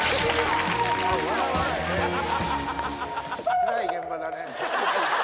つらい現場だね。